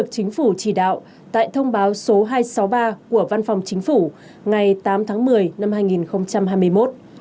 một về khôi phục vận tải hành khách bằng đường hàng không đã được chính phủ chỉ đạo tại thông báo số hai trăm sáu mươi ba của văn phòng chính phủ ngày tám tháng một mươi năm hai nghìn hai mươi một